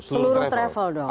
seluruh travel dong